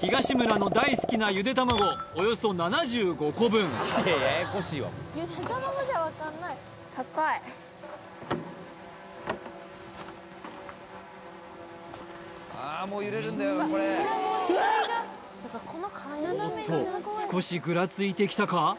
東村の大好きなゆで卵およそ７５個分高いうわあっおっと少しぐらついてきたか？